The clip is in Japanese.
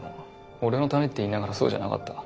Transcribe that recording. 俺のためって言いながらそうじゃなかった。